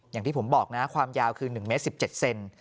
อย่างที่ผมบอกนะความยาวคือ๑เมตร๑๗เซน